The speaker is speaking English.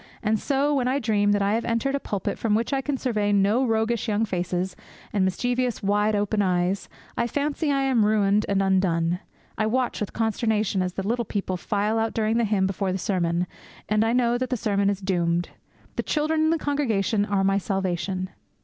And so, when I dream that I have entered a pulpit from which I can survey no roguish young faces and mischievous wide open eyes, I fancy I am ruined and undone. I watch with consternation as the little people file out during the hymn before the sermon, and I know that the sermon is doomed. The children in the congregation are my salvation.